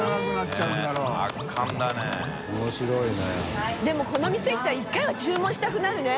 井森）でもこの店行ったら１回は注文したくなるね。